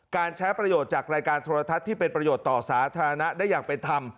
การใช้ประโยชน์จากรายการโทรทัศน์ที่เป็นประโยชน์ต่อสาธารณะได้อย่างเป็นธรรม